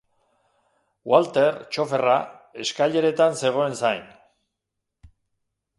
Walter, txoferra, eskaileretan zegoen zain.